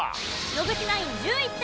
野口ナイン１１点